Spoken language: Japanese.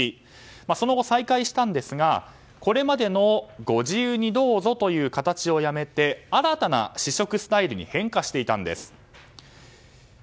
その後、再開したんですがこれまでの、ご自由にどうぞという形をやめて新たな試食スタイルに変化していたんです。